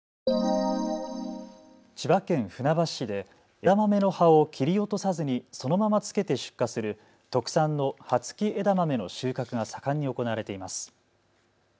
千葉県船橋市で枝豆の葉を切り落とさずにそのまま付けて出荷する特産の葉付き枝豆の収穫が盛んに行われています。